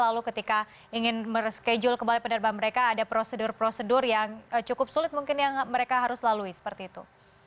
lalu ketika ingin mereschedule kembali penerbangan mereka ada prosedur prosedur yang cukup sulit mungkin yang mereka harus lalui seperti itu